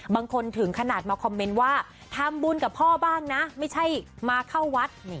ถึงขนาดมาคอมเมนต์ว่าทำบุญกับพ่อบ้างนะไม่ใช่มาเข้าวัด